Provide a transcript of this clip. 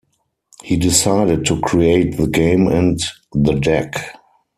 He decided to create the game and the deck.